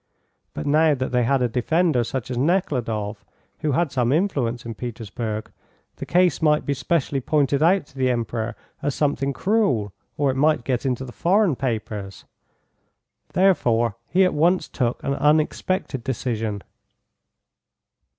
But now that they had a defender such as Nekhludoff, who had some influence in Petersburg, the case might be specially pointed out to the Emperor as something cruel, or it might get into the foreign papers. Therefore he at once took an unexpected decision.